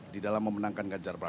di dalam memenangkan ganjar pranowo